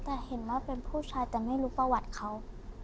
แต่เห็นว่าเป็นผู้ชายแต่ไม่รู้ประวัติเขา